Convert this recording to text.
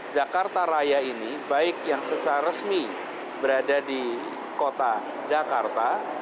jakarta raya ini baik yang secara resmi berada di kota jakarta